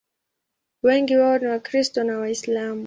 Wengi wao ni Wakristo na Waislamu.